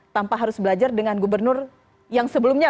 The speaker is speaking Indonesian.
tanpa harus belajar dengan gubernur yang sebelumnya